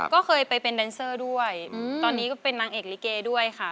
ก็เคยไปเป็นแดนเซอร์ด้วยตอนนี้ก็เป็นนางเอกลิเกด้วยค่ะ